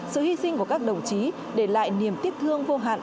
sự hy sinh của các đồng chí để lại niềm tiếc thương vô hạn